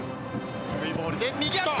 低いボールで、右足だ、